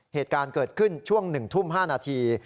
เหตุการณ์เกิดขึ้นช่วง๑ทุ่ม๕นาที